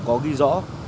có ghi rõ